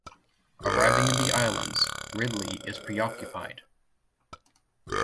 Arriving in the islands, Ridley is preoccupied.